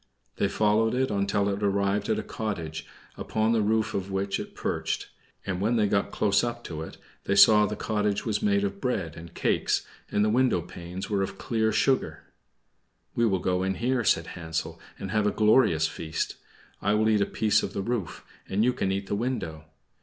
They followed it until it arrived at a cottage, upon the roof of which it perched; and when they went close up to it they saw that the cottage was made of bread and cakes, and the window panes were of clear sugar. "We will go in there," said Hansel, "and have a glorious feast. I will eat a piece of the roof, and you can eat the window.